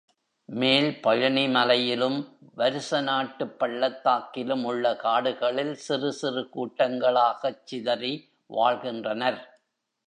மேல் பழனிமலையிலும், வருசநாட்டுப் பள்ளத்தாக்கிலும் உள்ள காடுகளில், சிறு சிறு கூட்டங்களாகச் சிதறி வாழ்கின்றனர்.